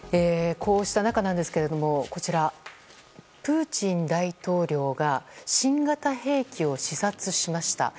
こうした中ですがプーチン大統領が新型兵器を視察しました。